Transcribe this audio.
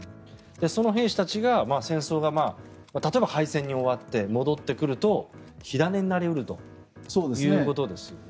その兵士たちが戦争が、例えば敗戦に終わって戻ってくると、火種になり得るということですね。